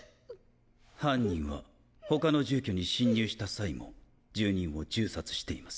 犯人は他の住居に侵入した際も住人を銃殺しています。